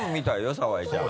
澤井ちゃん。